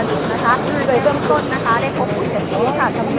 สวัสดีครับ